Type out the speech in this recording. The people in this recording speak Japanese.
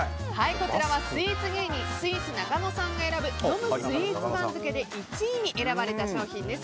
こちらはスイーツ芸人スイーツなかのさんが選ぶ飲むスイーツ番付で１位に選ばれた商品です。